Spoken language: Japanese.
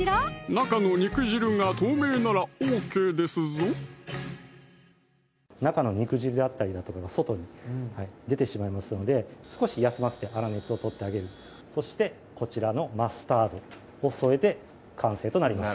中の肉汁が透明ならＯＫですぞ中の肉汁であったりだとかが外に出てしまいますので少し休ませて粗熱を取ってあげるそしてこちらのマスタードを添えて完成となります